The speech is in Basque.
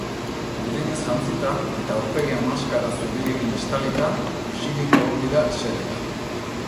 Urdinez jantzita, eta aurpegia maskara zuriekin estalita, isilik egon dira eserita.